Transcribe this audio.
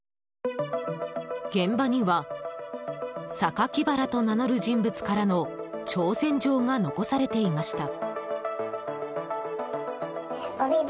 現場には酒鬼薔薇と名乗る人物からの挑戦状が残されていました。